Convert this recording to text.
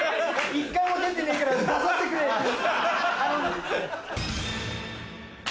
「１回も出てねえから出させてくれ」って言うんです。